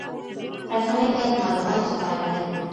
رسنۍ باید معلومات خپاره کړي.